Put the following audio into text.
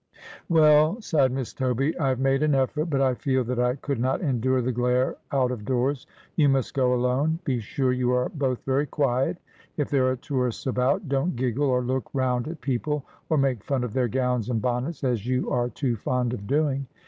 ' Well,' sighed Miss Toby, ' I have made an efEort, but I feel that I could not endure the glare out of doors. You must go alone. Be sure you are both very quiet, if there are tourists about. Don't giggle, or look round at people, or make fun of their gowns and bonnets, as you are too fond of doing.